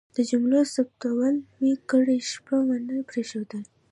د جملو ثبتول مې کرۍ شپه ونه پرېښود.